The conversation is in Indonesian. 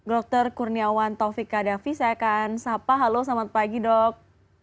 dr kurniawan taufika davi saya akan sapa halo selamat pagi dok